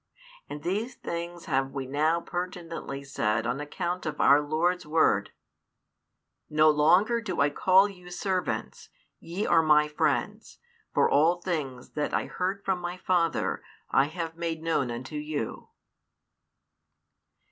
And these things have we now pertinently said on account of our Lord's word: No longer do I call you servants: ye are My friends; for all things that I heard from My Father, I have made known unto you.